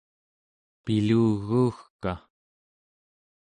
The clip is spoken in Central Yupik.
piluguugka